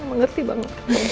mama ngerti banget